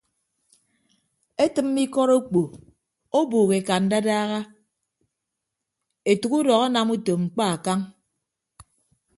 Etịmme ikọt okpo ọbuuk eka ndadaha etәk udọk anam utom mkpa akañ.